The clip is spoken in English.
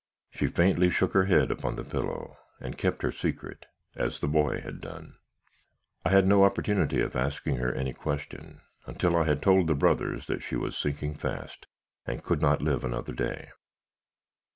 She faintly shook her head upon the pillow, and kept her secret, as the boy had done. "I had no opportunity of asking her any question, until I had told the brothers she was sinking fast, and could not live another day.